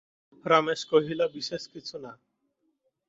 রমেশ কহিল, বিশেষ কিছু না।